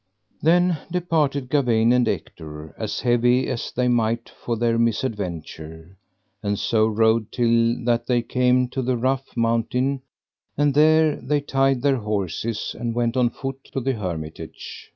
Then departed Gawaine and Ector, as heavy as they might for their misadventure, and so rode till that they came to the rough mountain, and there they tied their horses and went on foot to the hermitage.